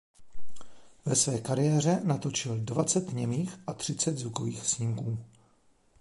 Ve své kariéře natočil dvacet němých a třicet zvukových snímků.